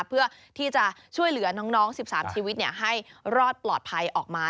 เพื่อที่จะช่วยเหลือน้อง๑๓ชีวิตให้รอดปลอดภัยออกมา